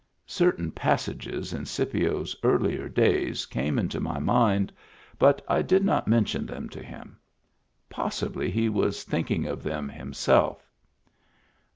Certain passages in Scipio's earlier days came into my mind, but I did not mention them to him. Possibly he was thinking of them himself.